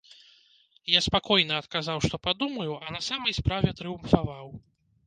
Я спакойна адказаў, што падумаю, а на самай справе трыумфаваў.